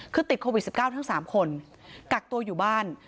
คือติดโควิด๑๙ทั้ง๓คนกักตัวอยู่บ้าน